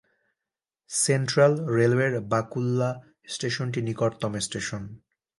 Central রেলওয়ের বাকুল্লা স্টেশনটি নিকটতম স্টেশন।